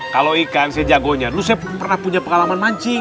kalo ikan sejagonya lu saya pernah punya pengalaman mancing